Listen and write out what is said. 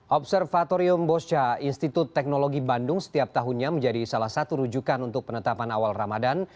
observatorium bosca institut teknologi bandung setiap tahunnya menjadi salah satu rujukan untuk penetapan awal ramadan